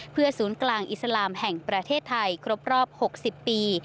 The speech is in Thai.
เพื่อศูนย์กลางอิสลามแห่งประเทศไทยครบรอบ๖๐ปี